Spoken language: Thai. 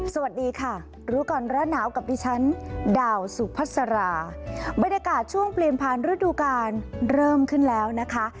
สวัสดีค่ะรู้ก่อนร้อนหนาวกับดิฉันดาวสุพัสราบรรยากาศช่วงเปลี่ยนผ่านฤดูการเริ่มขึ้นแล้วนะคะ